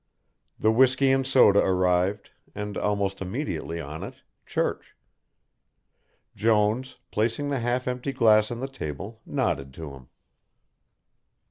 The whisky and soda arrived, and, almost immediately on it, Church. Jones, placing the half empty glass on the table, nodded to him.